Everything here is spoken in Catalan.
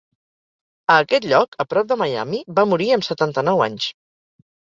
A aquest lloc, a prop de Miami, va morir amb setanta-nou anys.